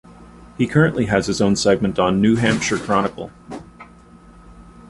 He currently has his own segment on "New Hampshire Chronicle".